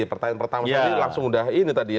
pertanyaan pertama tadi langsung udah ini tadi ya